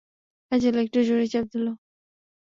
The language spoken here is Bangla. হ্যাজেল, একটু জোরেই চাপ দিলে।